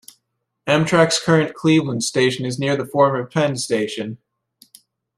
Amtrak's current Cleveland station is near the former Penn Station.